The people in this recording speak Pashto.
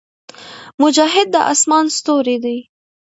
مجاهد د اسمان ستوری دی.